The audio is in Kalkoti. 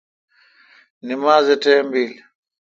نماز ٹیم بیل۔